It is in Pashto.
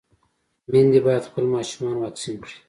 ميندې بايد خپل ماشومان واکسين کړي.